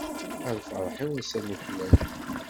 A lferḥ-iw ass-a nuklal.